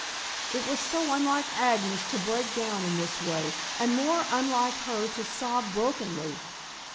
It was so unlike Agnes to break down in this way, and more unlike her to sob brokenly.